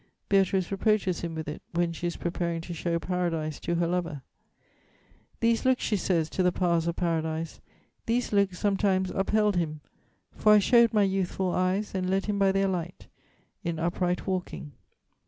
Beatrice reproaches him with it, when she is preparing to show Paradise to her lover: "'These looks,' she says to the powers of Paradise, These looks sometimes upheld him; for I show'd My youthful eyes, and led him by their light In upright walking.